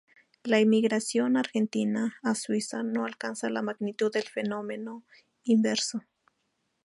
La emigración argentina a Suiza no alcanza la magnitud del fenómeno inverso.